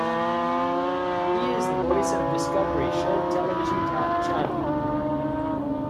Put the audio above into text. He is the voice of the Discovery Shed television channel.